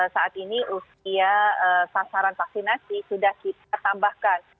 saat ini usia sasaran vaksinasi sudah kita tambahkan